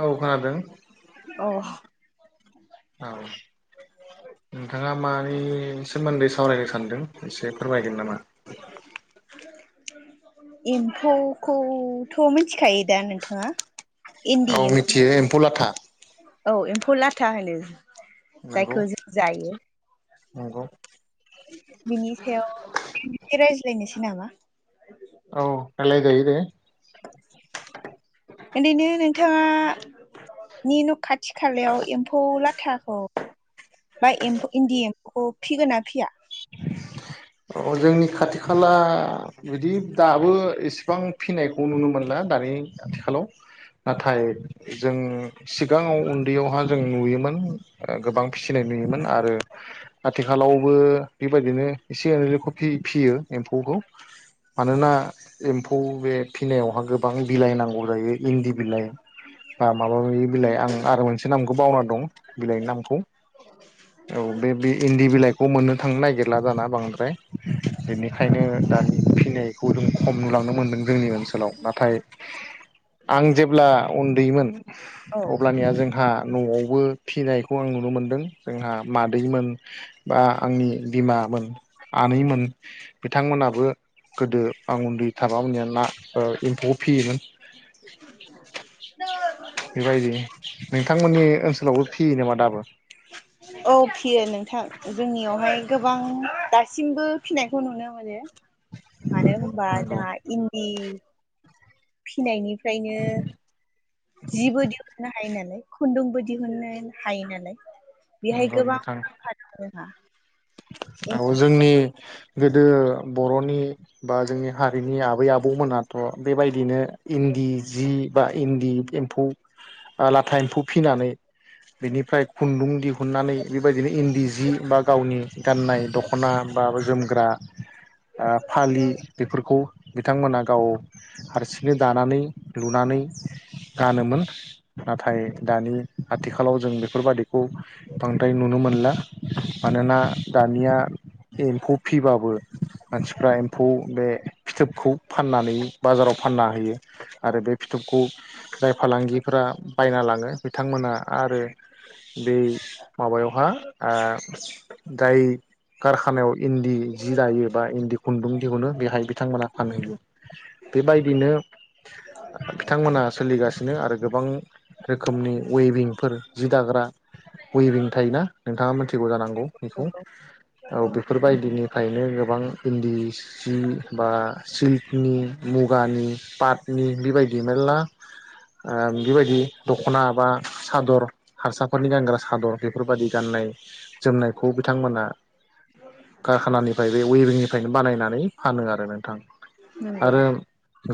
औ खोनादों अ औ नोंथाङा मानि सोमोन्दै सावरायनो सानदों एसे फोरमायगोन नामा [inaudible] एम्फौखौथ मिथिखायो दा नोंथाङा औ मिथियो एम्फौ लाथा औ एम्फौ लाथा होनो नंगौ जायखौ जों जायो नंगौ बिनि सायाव [unintelligible] रायलायनोसै नामा औ रायलाय [unintelligible] ओरैनो नोंथाङा नि न खाथि खालायाव एम्फौ लाथाखौ बा इन्दि एम्फौखौ फिगोन ना फिया अ जोंनि खाथि खाला बिदि दाबो एसेबां फिनायखौ नुनो मोनला दानि आथिखालाव नाथाय जों सिगाङाव उन्दैयावहा जों नुयो गोबां फिसिनाय नुयोमोन आरो आथिखालावबो बेबायदिनो [unintelligible] फियो एम्फौखौ मानोना एम्फौ बे फिनायावहाय गोबां बिलाइ नांगौ जायो इन्दि बिलाइ बा माबा माबि बिलाइ आं आरो मोनसे नामखौ बावना दं बिलाइनि नामखौ औ बे बे इन्दि बिलाइ बेखौ मोननो थांनो नागिरला दाना बां द्राय बेनिखायनो दानि फिनायखौ जों खम नुलांनो मोनदों जोंनि ओनसोलाव नाथाय आं जेब्ला उन्दैमोन, औ अब्लानिया जों जोंहा न'आवबो फिनायखौ आं नुनो मोनदों जोंहा मादैमोन बा आंनि बिमामोन, आनैमोन बिथांमोनाबो गोदो आं उन्दै थाबा मोननिया ना ओ एम्फौखौ फियोमोन बेबायदि नोंथांमोननि ओनसोलावबो फियो नामा दाबो? औ फियो नोंथां जोंनियावहाय गोबां दासिमबो फिनायखौ नुनो मोनो मानो होमबा नंगौ जोंहा इन दि फिनायनि फ्रायनो जिबो दिहुनना हायो नालाय खुन्दुंबो दिहुननो हायो नालाय, बिहाय नंगौ गोबां नोंथां खाद रोङा, औ जोंनि होह गोदो बर'नि बा जोंनि हारिनि आबै आब बौमोनाथ' बेबायदिनो इन्दि जि बा इन्दि एम्फौ आ लाथा एम्फौ फिनानै बेनिफ्राय खुन्दुं दिहुननानै बेबायदिनो इन्दि जि बा गावनि गाननाय दख'ना बा जोमग्रा ओ फालि बेफोरखौ बिथांमोना गाव हारसिंनो दानानै लुनानै गानोमोन नाथाय दानि आथिखालाव जों बेफोरबादि बौ बांद्राय नुनो मोनला मानोना दानिया एम्फौ फिबाबो मानसिफ्रा एम्फौ बे फिथोबखौ फाननानै बाजाराव फानना हैयो आरो बे फिथोबखौ जाय फालांगिफोरा बायना लाङो बिथांमोनहा आरो बे माबायावहा ओ जाय कारखानायाव इन्दि जि दायो बा इन्दि खुन्दुं दिहुनो बेहाय बिथांमोनहा फानहैयो बेबायदिनो ओ बिथांमोना सोलिगासिनो आरो गोबां रोखोमनि वेभिंफोर जि दाग्रा वेभिं थायोना नोंथाङा मिथिगौ जानांगौ बेखौ औ बेफोरबायदिनिफ्रायनो गोबां इन्दि जि सि बा सिल्कनि मुगानि पाट नि बेबायदि मेर्ला ओ बेबायदि दख'ना बा सादर हारसाफोरनि गानग्रा सादर बेफोरबायदि गाननाय जोमनाय बिथांमोना कारखानानिफ्राय बे वेभ इबिंनिफ्रायनो बानायनानै फानो आरो नोंथां जोंहा नंगौ आरो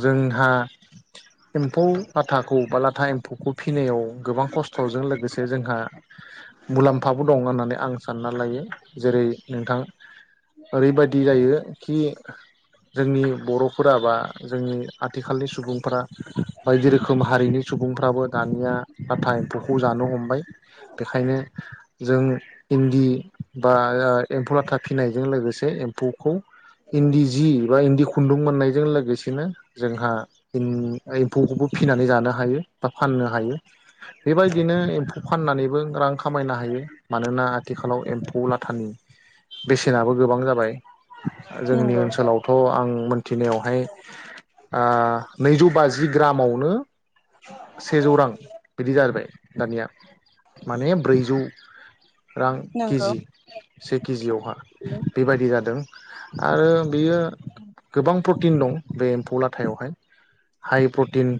जों एम्फौ लाथाखौ बा लाथा एम्फौखौ फिनायाव गोबां खस्थ'जों लोगोसे जोंहा मुलाम्फाबो दं होननानै आं सानना लायो जेरै नोंथां ओरैबादि जायो खेग जोंनि बर'फोरा बा जोंनि आथिखालनि सुबुंफोरा बायदि रोखोम हारिनि सुबुंफ्राबो दानिया लाथा एम्फौखौ जानो हमबाय बेखायनो जों नि बाया एमफौलाथा फि नायजों लोगोसे एम्फौखौ इन्दि जि बा इन्दि खुन्दुं मोननायजों लोगोसेनो जोंहा ओम एम्फौखौबो फिनानै जानो हायो बा फाननो हायो बेबायदिनो एम्फौ फाननानैबो रां खामायनो हायो मानोना थिखालाव एम्फौ लाथानि बेसेनाबो गोबां जाबाय आरो जोंनि नंगौ ओनसोलावथ' आं मोनथिनायावहाय आ नैजौ बाजि ग्रामावनो सेजौ रां बिदि जाहैबाय। दानिया माने ब्रैजौ रां नंगौ केजि से केजियावहा बेबायदि जादों, आरो बेयो गोबां प्रटिन दं बे एम्फौ लाथायावहाय हाइ प्रटिन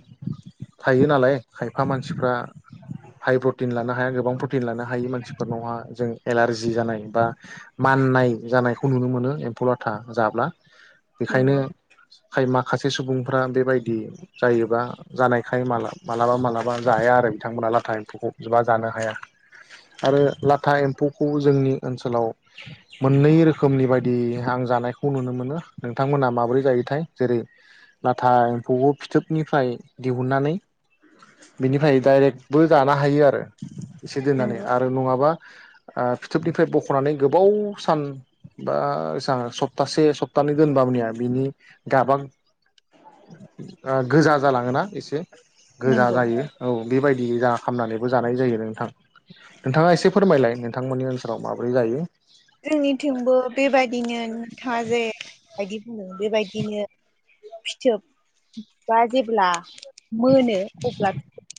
थायो नालाय खायफा मानसिफ्रा हाइ प्रटिन लानो हाया गोबां प्रटिन लानो हायो मानसि फोरनावहा, जों एलारजि जानाय बा, माननाय जानायखौ नुनो मोनो एम्फौला आथा जाब्ला बेखायनो नंगौ खाय मा? खासे सुबुंफ्रा बेबायदि जायोबा जानायखाय मालाबा मालाबा जाया आरो बिथांमोना लाथा एम्फौखौ जोबा जानो हाया आरो ला लाथा एम्फौखौ जोंनि ओनसोलाव मोननै रोखोमनि बायदि आं जानायखौ नुनो मोनो नोंथांमोनहा माबोरै जायोथाय जेरै लाथा एम्फौखौ फिथोबनिफ्राय दिहुननानै बेनिफ्राय डाइरेक्टबो जानो हायो आरो एसे दोननानै नंगौ आरो नङाबा, ओ फिथोबनिफ्राय बख'नानै गोबाव सान बा जां सप्तासे सप्तानै दोनबा मनिया बिनि गाबा, आ गोजा जालाङोना एसे गोजा नंगौ जायो औ बेबायदि जा खामनानैबो जानाय जायो नोंथां नोंथाङा एसे फोरमायलाय नोंथां मोननि ओन जोंनिथिंबो बेबायदिनो थाजे बादि बेबायदिनो फिथोब बा जेब्ला, मोनो अब्ला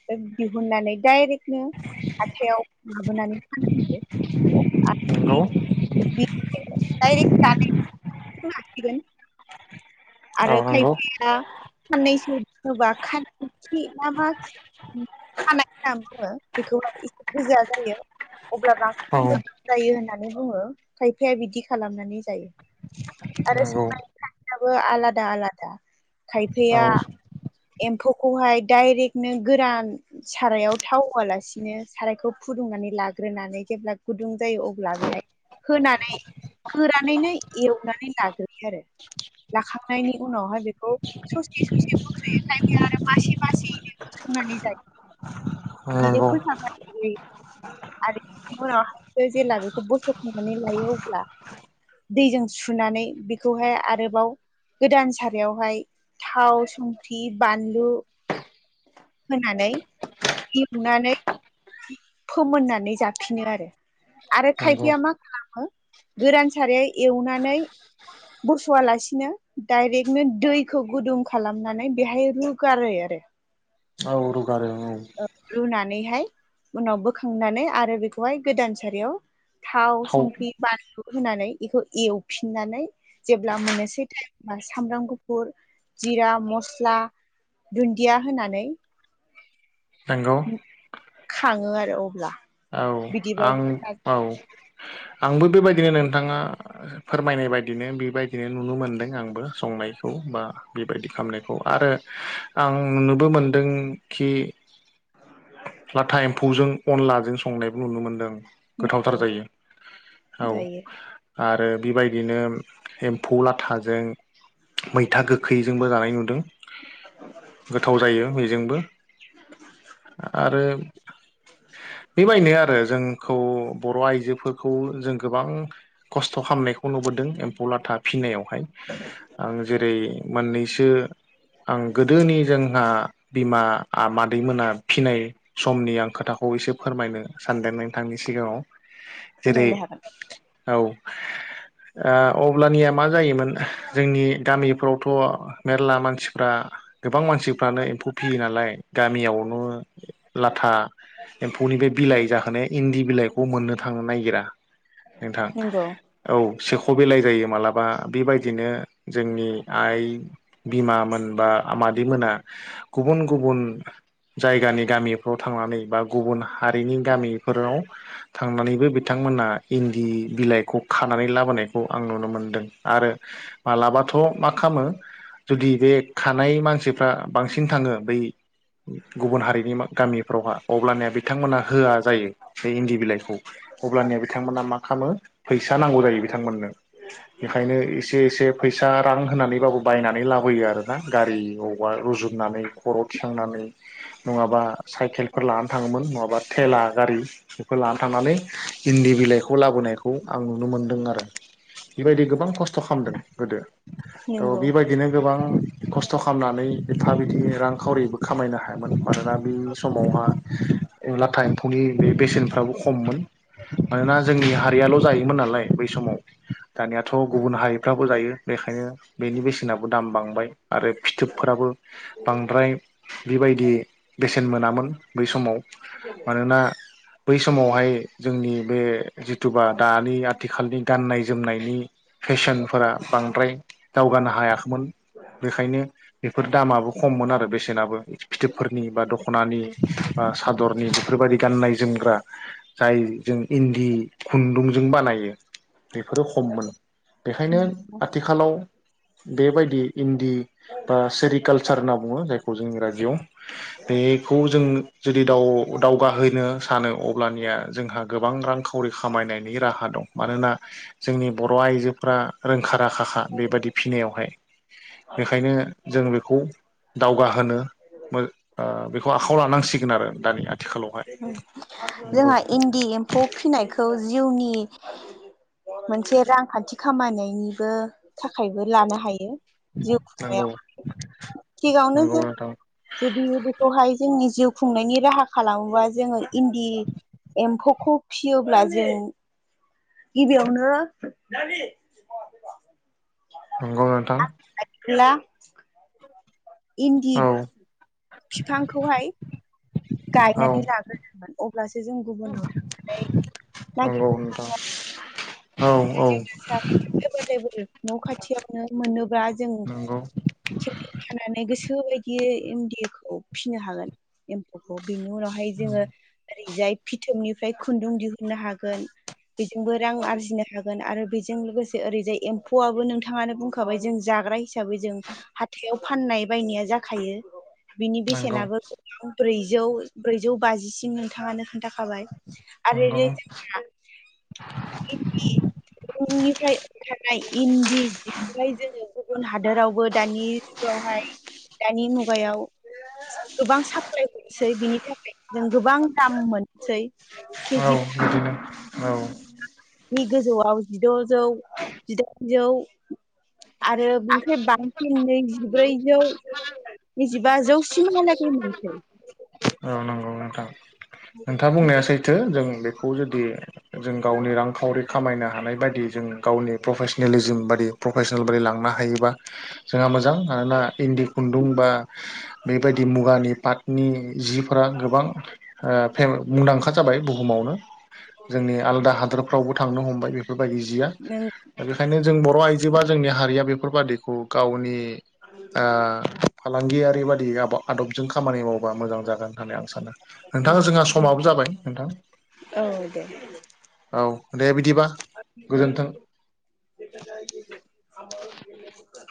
[unintelligible] दिहुननानै डाइरेक्टनो हाथायाव लाबोनानै फानहैयो, नंगौ [unintelligible] कारेक जानाय [unintelligible] औ आरो नंगौ खायफाया साननैसो बुङोबा खान्थि मा [unintelligible] खानाय होनना बुङो बेखौ एसे गोजा, [unintelligible] अब्ला औ बांसिनबो जायो होना बुङो खायफाया बिदि खालामनानै जायो। नंगौ आरो [unintelligible] आलादा आलादा खायफाया औ एम्फौखौहाय डाइरेक्टनो गोरान सारायाव थाव होआलासिनो सारायखौ फुदुंनानै लाग्रोनानै जेब्ला गुदुं जायो अब्ला बेहाय होनानै होनानैनो एवनानै लाग्रो। आरो लाखांनायनि उनावहाय बेखौ ससेे ससेे बुथ'यैखाय बे आरो मासे मासि बे संनानै जायो। बिदि नंगौ फोसाबनानै जायो। आरो बिनि उनावहाय जेला बेखौ बस' खांनानै लायो अब्ला दैजों सुनानै बेखौहाय आरोबाव गोदान सारायावहाय थाव संख्रि बानलु होनानै एवनानै फोमोननानै जाफिनो आरो। आरो नंगौ खायफया मा खालामो गोरान सारै एवनानै बस'आलासिनो डायरेक्टनो दैखौ गुदुं खालामनानै बेहाय रुगारो आरो। औ आरो औ नैहाय उनाव बोखांनानै आरो बेखौहाय गोदान सारियाव थाव संख्रि बानलु होनानै बेखौ एवफिननानै जेब्ला मोननोसै टाइम सामब्राम गुफुर जिरा मस्ला दुन्दिया होनानै नंगौ खाङो आरो। अब्ला औ आं बिदिबाबो औ आंबो बेबायदिनो नोंथाङा फोरमायनाय बायदिनो बेबायदिनो नुनो मोनदों आंबो संनायखौ बा बेबायदि खालामामनायखौ आरो आं नुनोबो मोनदों खि लाथा एम्फौजों अनलाजों संनायबो नुनो मोन्दों। गोथावथार नंगौ जायो। औ जायो आरो बेबायदिनो एम्फौ लाथाजों मैथा गोखैजोंबो जानाय नुदों। गोथाव जायो बेजोंबो आरो [inaudible] बेबायनो आरो जोंखौ बर' आइजोफोरखौ जों गोबां खस्थ' खालामनायखौ नुबोदों एम्फौ लाथा फिनायाव हाय आं जेरै मोननैसो आं गोदोनि जोंहा बिमा मादैमोना फिनाय समनि आं खोथाखौ एसे फोरमायनो सानदों नोंथांनि सिगाङाव जेरै फोरमायनो हागोन औ ओ अब्लानिया मा जायोमोन जोंनि गामिफ्रावथ मेरला मानसिफ्रा गोबां मानसिफ्रानो एम्फौ फियो नालाय गामियाव [unintelligible] लाथा एम्फौनि बे बिलाइ जाहोनाय इन्दि बिलाइखौ मोननो थांनो नागिरा नोंथां नंगौ औ सेख बिलाइ जायो मालाबा बेबायदिनो जोंनि आइ बिमा मोनबा मादैमोना गुबुन गुबुन जायगानि गामिफ्राव थांनानै बा गुबुन हारिनि गामिफोराव थांनानैबो बिथांमोनहा इन्दि बिलाइखौ खानानै लाबोनायखौ आं नुनो मोनदों आरो मालाबाथ मा खालामो जुदि बे खानाय मानसिफ्रा बांसिन थाङो बै गुबुन हारिनि गामिफ्रावहा अब्लानिया बिथांमोना होआ जायो बे इन्दि बिलाइखौ अब्लानिया बिथांमोना मा खालामो? फैसा नांगौ जायो। बिथांमोननो बेखायनो एसे एसे फैसा रां होनानैबाबो बायनानै लाबोयो आरोना गारि अवबा रुजुननानै खर आव थिखांनानै नङाबा साइकेल फोर लाना थाङोमोन नङाबा थेला गारि बेफोर लानानै थांनानै इन्दि बिलाइखौ लाबोनायखौ आं नुनो मोनदों आरो बेबायदि गोबां खस्थ खालामदों गोदो। थ नंगौ बेबायदिनो गोबां खस्थ खालामनानै एफा बिदि रांखावरिबो खामायनो हायामोन मानोना बे समाव बे बेसेनफ्राबो खममोन मानोना जोंनि हारियाल जायो। मोन नालाय बै समाव दानियाथ गुबुन हारिफ्राबो जायो। बेखायनो बेनि बेसेनाबो दाम बांबाय आरो फिथोबफोराबो बांद्राय बेबायदि बेसेन मोनामोन। बै समाव मानोना बै समावहाय जोंनि बे जिथुबा दानि आथिखालनि गाननाय जोमनायनि फेशनफोरा बांद्राय दावगानो हायाखैमोन बेखायनो बेफोर दामाबो खममोन आरो बेसेनाबो फिथोबफोरनि बा दख खनानि बा सादरनि बेफोरबायदि गाननाय जोमग्रा जाय जों इन्दि खुन्दुंजों बानायो। बेफोरो खममोन बेखायनो आथिखालाव बेबायदि इन्दि बा सेरिकालसारनाव बुङो जायखौ जोंनि रायजोआव बे जों जुदि दाव दावगाहोनो सानो अब्लानिया जोंहा गो गोबां रांखावरि खामायनायनि राहा दं मानोना जोंनि बर आइजोफोरा रोंखा राखाखा बेबायदि फिनायावहाय बेखायनो जों बेखौ दावगा होनो मो ओ बेखौ लानांसिगोन आरो [unintelligible] नंगौ जोंहा इन्दि एम्फौ फिनायखौ जिउनि मोनसे रांखान्थि खामायनायनि बो थाखायबो लानो हायो जिउ नंगौ खुंनायाव [unintelligible] नंगौ जों नोंथां जुदि बेखौहाय जोंनि जिउ खुंनायनि राहा खालामोबा जोङो इन्दि एम्फौखौ फियोब्ला जों गिबियावनो नंगौ नोंथां [unintelligible] इन्दि औ फिफांखौहाय औ गायनानै लाग्रो नांगोन अब्लासो जों गुबुनाव थांनानै नंगौ नोंथां नागिरनांनाय औ औ नङा जोंहा एबोल लेबोल न खाथियावनो मोनोब्ला जों नंगौ खाथियावनो थानानै गोसो बायदियै [unintelligible] फिसिनो हागोन [unintelligible] बेनि उनावहाय जोङो ओरैजाय फिथोबनि फ्राय खुन्दुं दिहुननो हागोन बेजोंबो रां आरजिनो हागोन आरो बेजों लोगोसे ओरैजाय एम्फौआबो नोंथाङानो बुंखाबाय जों जाग्रा हिसाबै जों हाथायाव फाननाय बायनाया जाखायो बिनि नंगौ बेसेनाबो ब्रैजौ ब्रैजौ बाजिसिम नोंथाङानो खोन्था खाबाय नंगौ आरो [unintelligible] जोंहा [unintelligible] ओंखारनाय इन्दि जिखौहाय जोङो गुबुन हादोरावबो दानि जुगावहाय दानि मु मुगायाव गोबां सा फ्लाय हरसै बिनि थाखाय जों गोबां दाम मोनसै औ केजिनि बिदिनो औ नि गोजौआव जिद जौ जिदाइनजौ आरो [unintelligible] [unintelligible] बांसिन ब्रैजौ [unintelligible] जौसिम हालागै उम [inaudible] औ नंगौ नोंथां नोंथाङा बुंनाया सैथो जों बेखौ जुदि जों गावनि रांखावरि खामायनो हानाय बायदि जों गावनि प्रफेसनेलिजिम बादि प्रफेसनेल बायदि लांनो हायोब्ला जोंहा मोजां मोजां मानोना इन्दि खुन्दुं बा बेबायदि मुगानि पाटनि जिफोरा गोबां आ फें मुंदांखा खोथा जाबाय बुहुमावनो जोंनि आलादा हादोरफ्रावबो थांनो हमबाय बे बेफोरबायदि जिया दा बेखायनो जों बर' आइजो बा जोंनि हारिया बेफोरबादिखौ गावनि आ फालांगियारि बादि आबाद आदबजों खामानि मावबा जागोन होननानै आं सानो नोंथां नंगौ जोंहा समाबो जाबाय। नोंथां। औ दे। औ दे बि [unintelligible] [unintelligible]